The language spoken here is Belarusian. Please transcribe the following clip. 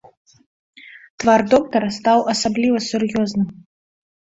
Твар доктара стаў асабліва сур'ёзным.